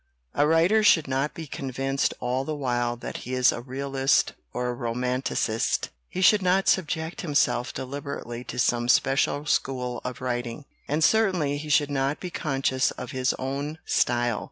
A writer should not be convinced all the while that he is a realist or a romanticist; he should not subject himself deliberately to some special school of writing, and certainly he should not be conscious of his own style.